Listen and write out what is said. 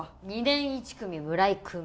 ２年１組村井君